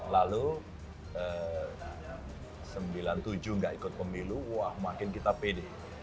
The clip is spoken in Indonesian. lalu sembilan puluh tujuh nggak ikut pemilu wah makin kita pede